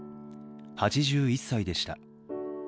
８１歳でした。